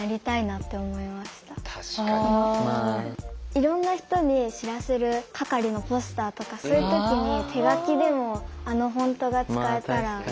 いろんな人に知らせる係のポスターとかそういう時に手書きでもあのフォントが使えたらいいなって思いました。